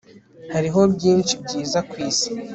Hariho byinshi byiza kwisi